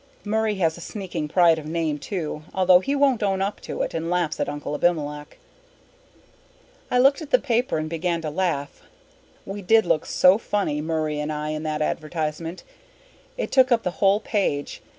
Murray has a sneaking pride of name too, although he won't own up to it and laughs at Uncle Abimelech. I looked at the paper and began to laugh. We did look so funny, Murray and I, in that advertisement. It took up the whole page.